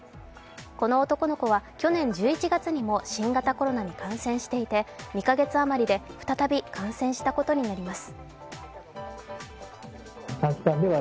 この男の子は去年１１月にも新型コロナに感染していて２か月あまりで再び感染したことになります。